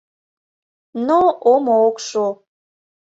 Но омо ок шу.